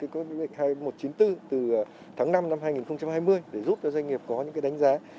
có bệnh viện hai trăm chín mươi bốn từ tháng năm năm hai nghìn hai mươi để giúp cho doanh nghiệp có những đánh giá